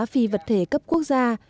phi vật thể cấp quốc gia